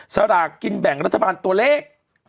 สลักกินแบ่งรัฐษภัณฑ์ตัวเล็ก